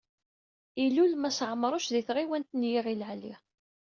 Ilul Mass Ɛemruc di tɣiwant n Yiɣil Ɛli.